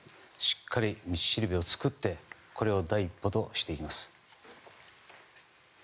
しっかり道しるべを作ってこれを第一歩としていきます。